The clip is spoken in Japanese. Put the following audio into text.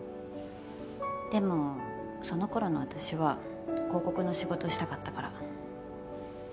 でもその頃の私は広告の仕事したかったから。